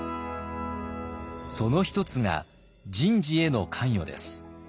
その一つが人事への関与です。